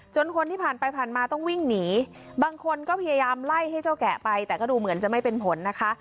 คนที่ผ่านไปผ่านมาต้องวิ่งหนีบางคนก็พยายามไล่ให้เจ้าแกะไปแต่ก็ดูเหมือนจะไม่เป็นผลนะคะ